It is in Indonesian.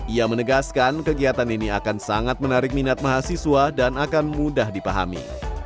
ia menegaskan kegiatan ini akan sangat menarik minat mahasiswa dan akan mudah dipahami